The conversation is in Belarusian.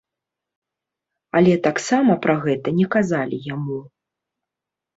Але таксама пра гэта не казалі яму.